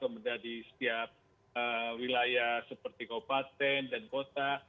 pembeda di setiap wilayah seperti kau paten dan kota